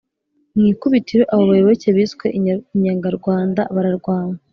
mw'ikubitiro, abo bayoboke biswe "inyangarwanda" bararwanywa.